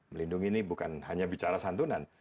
melindungi ini bukan hanya bicara santunan